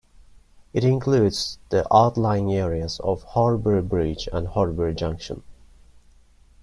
It includes the outlying areas of Horbury Bridge and Horbury Junction.